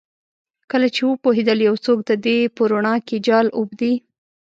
کله چې وپوهیدل یو څوک د دې په روڼا کې جال اوبدي